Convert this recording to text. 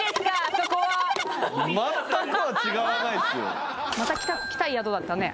そこはまた来たい宿だったね